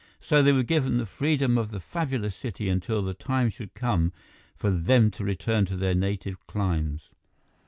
So they were given the freedom of the fabulous city until the time should come for them to return to their native climes.